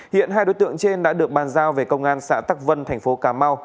hiện hai đối tượng trên đã được bàn giao về công an xã tắc vân thành phố cà mau